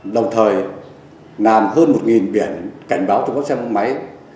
đồng thời làm hơn một biển cảnh báo cho các xe máy